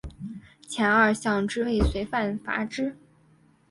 前二项之未遂犯罚之。